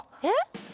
え？